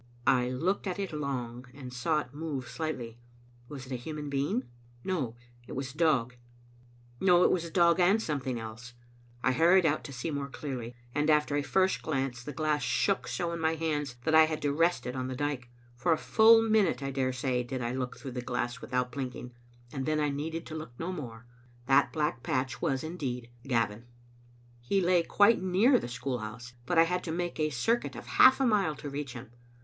I looked at it long, and saw it move slightly. Was it a human being? No, it was a dog. No, it was a dog and something else. I hurried out to see more clearly, and after a first glance the glass shook so in my hands that I had to rest it on the dike. For a full minute, I daresay, did I look through the glass Digitized by VjOOQ IC (Tbe (3len at JSreak ot Dai?. 289 without blinking, and then I needed to look no more. That black patch was, indeed, Gavin. He lay quite near the school house, but I had to make a circuit of half a mile to reach him.